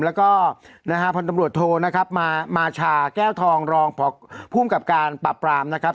แล้วก็นะฮะพันธบรวจโทนะครับมาชาแก้วทองรองภูมิกับการปรับปรามนะครับ